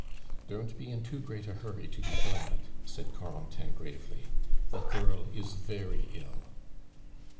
"Don't be in too great a hurry to be glad!" said Corentin gravely; "the girl is very ill."